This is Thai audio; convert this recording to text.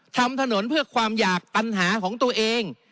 ทำถนนเพื่อความอยากปัญหาของตัวเอง